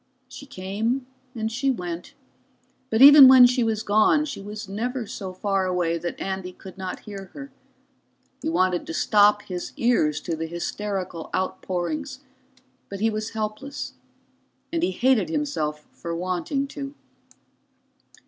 She came and she went, but even when she was gone she was never so far away that Andy could not hear her. He wanted to stop his ears to the hysterical outpourings, but he was helpless, and he hated himself for wanting to.